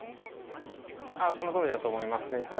そのとおりだと思いますね。